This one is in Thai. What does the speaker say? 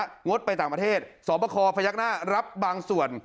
งดไปต่างประเทศสอบคอพยักหน้ารับบางส่วน